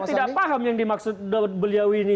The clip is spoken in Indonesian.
saya tidak paham yang dimaksud beliau ini